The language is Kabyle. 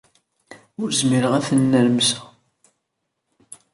Ur zmireɣ ara ad ten-nermseɣ.